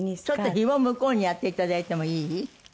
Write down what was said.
ちょっとひもを向こうにやっていただいてもいい？